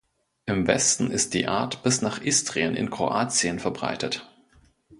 Im Westen ist die Art bis nach Istrien in Kroatien verbreitet.